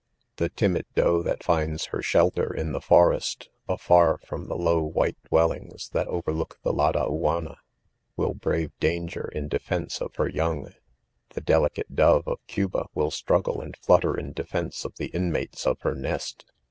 ^' i The., timid doe that finds her shelter in the forest,: afar from the low white] dwelttidg$ : ^at'. overlook, the Ladaiianna, will brave danger in defence of her young ; the delicate do?e of Cu ba will struggle and flutter m defence of the inmates of her nest